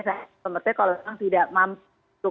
saya pemerintah kalau tidak mampu